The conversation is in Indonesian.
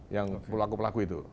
yang pelaku pelaku itu